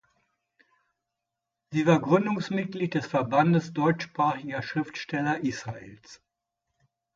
Sie war Gründungsmitglied des Verbandes deutschsprachiger Schriftsteller Israels.